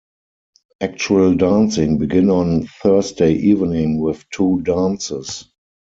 Actual dancing begin on Thursday evening with two dances.